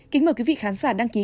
kính mời quý vị khán giả đăng ký